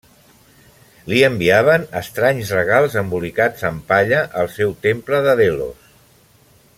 Li enviaven estranys regals embolicats amb palla al seu temple de Delos.